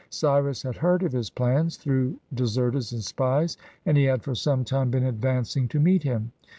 Cyrus had heard of his plans through deserters and spies, and he had for some time been advancing to meet him.